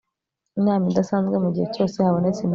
inama idasanzwe mu gihe cyose habonetse impamvu